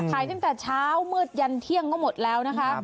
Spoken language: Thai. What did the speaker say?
ตั้งแต่เช้ามืดยันเที่ยงก็หมดแล้วนะคะ